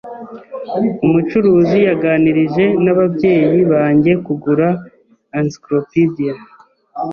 Umucuruzi yaganiriye n'ababyeyi banjye kugura encyclopediya.